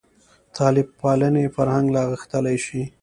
طالب پالنې فرهنګ لا غښتلی شي.